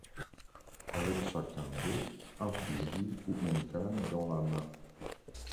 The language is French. Avec chacun d'eux un fusil ou une canne dans la main.